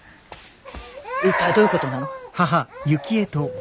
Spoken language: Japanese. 一体どういうことなの？